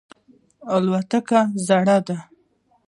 الوتکې یې زړې دي.